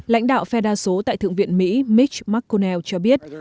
lãnh đạo phe đa số tại thượng viện mỹ mitch mcconnell cho biết